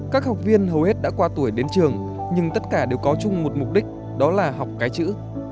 các học viên hầu hết đã qua tuổi đến trường nhưng tất cả đều có chung một mục đích đó là học cái chữ